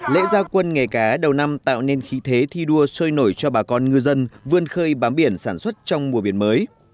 lễ gia quân nghề cá đầu năm tạo nên khí thế thi đua sôi nổi cho bà con ngư dân vươn khơi bám biển sản xuất trong mùa biển mới